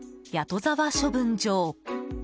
戸沢処分場。